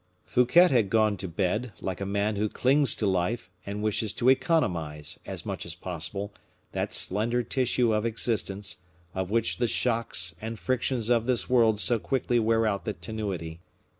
Fouquet had gone to bed, like a man who clings to life, and wishes to economize, as much as possible, that slender tissue of existence, of which the shocks and frictions of this world so quickly wear out the tenuity.